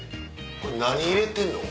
これ何入れてんの？